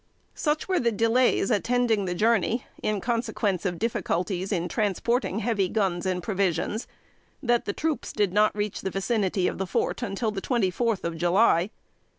Such were the delays attending the journey, in consequence of difficulties in transporting heavy guns and provisions, that the troops did not reach the vicinity of the fort until the twenty fourth of July.